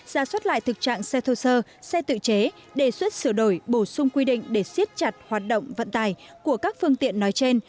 ra soát lại thực trạng xe thô sơ xe tự chế đề xuất sửa đổi bổ sung quy định để siết chặt hoạt động vận tài của các phương tiện nói trên